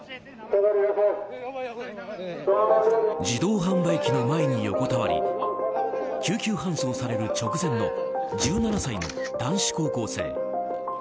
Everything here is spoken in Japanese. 自動販売機の前に横たわり救急搬送される直前の１７歳の男子高校生。